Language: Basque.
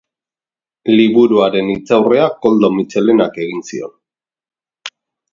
Liburuaren hitzaurrea Koldo Mitxelenak egin zion.